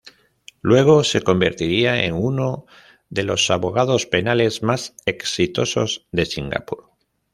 Luego, se convertiría en uno de los abogados penales más exitosos de Singapur.